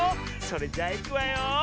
それじゃいくわよ。